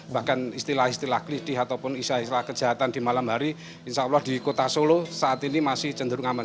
bahkan istilah istilah klidih ataupun istilah istilah kejahatan di malam hari insya allah di kota solo saat ini masih cenderung aman